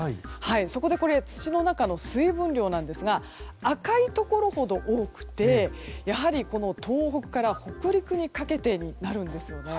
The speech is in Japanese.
そこで、土の中の水分量ですが赤いところほど多くてやはり東北から北陸にかけてになるんです。